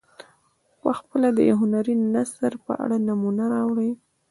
پخپله د یو هنري نثر په اړه نمونه راوړي.